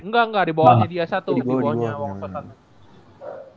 enggak di bawah di bawah di bawah